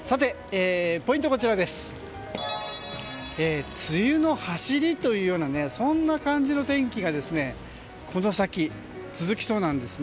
ポイントは梅雨の走りというそんな感じの天気がこの先、続きそうなんです。